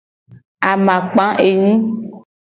Amakpa enyi.